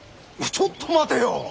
ちょっと待てよ。